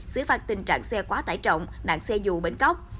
xử phạt tình trạng xe quá tải trọng nạn xe dù bến cóc